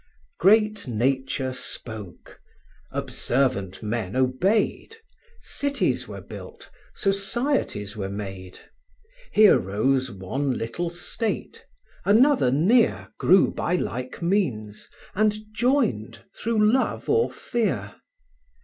V. Great Nature spoke; observant men obeyed; Cities were built, societies were made: Here rose one little state: another near Grew by like means, and joined, through love or fear.